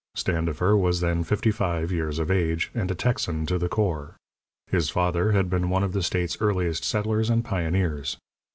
Standifer was then fifty five years of age, and a Texan to the core. His father had been one of the state's earliest settlers and pioneers.